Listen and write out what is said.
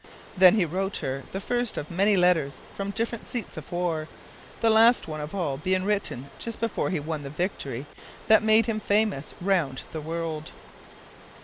Then he wrote her the first of many letters from different seats of war, the last one of all being written just before he won the victory that made him famous round the world.